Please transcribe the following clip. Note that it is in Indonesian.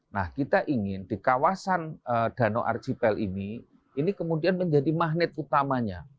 nah kita ingin di kawasan danau archipel ini ini kemudian menjadi magnet utamanya